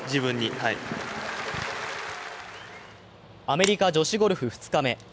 アメリカ女子ゴルフ２日目。